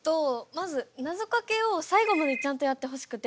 まずなぞかけを最後までちゃんとやってほしくて。